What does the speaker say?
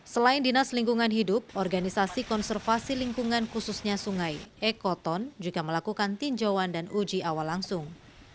selain dinas lingkungan hidup organisasi konservasi lingkungan khususnya sungai ekoton juga melakukan tinjauan dan uji awal langsung